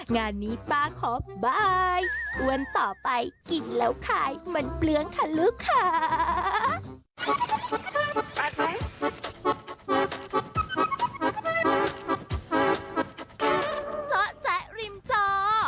งานนี้ป้าขอบายอ้วนต่อไปกินแล้วขายมันเปลืองค่ะลูกค้า